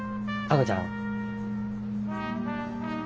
亜子ちゃん？